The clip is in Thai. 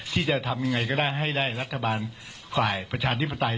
ที่จะทำยังไงก็ได้ให้ได้รัฐบาลฝ่ายประชาธิปไตย